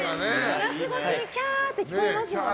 ガラス越しにキャーって聞こえますよね。